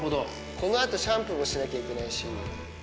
このあとシャンプーもしなきゃいけないし。